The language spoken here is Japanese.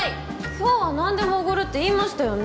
今日は何でもおごるって言いましたよね？